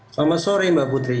selamat sore mbak putri